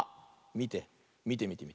みてみてみて。